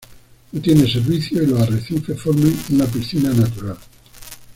No tiene servicios y los arrecifes forman una piscina natural.